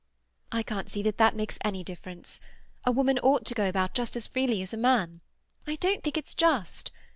"I can't see that that makes any difference. A woman ought to go about just as freely as a man. I don't think it's just.